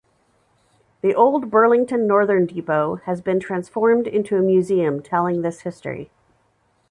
The old Burlington Northern depot has been transformed into a museum telling this history.